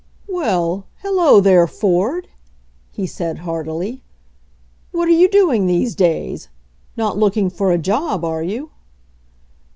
"Well, hello there, Ford!" he said heartily. "What're you doing these days? Not looking for a job, are you?"